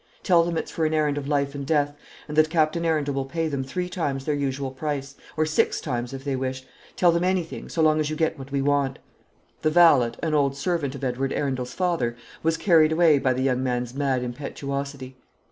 Tell them it's for an errand of life and death, and that Captain Arundel will pay them three times their usual price, or six times, if they wish. Tell them anything, so long as you get what we want." The valet, an old servant of Edward Arundel's father, was carried away by the young man's mad impetuosity.